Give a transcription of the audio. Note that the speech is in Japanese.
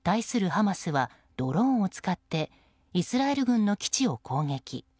ハマスはドローンを使ってイスラエル軍の基地を攻撃。